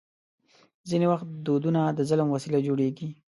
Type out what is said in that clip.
ځینې وخت دودونه د ظلم وسیله جوړېږي.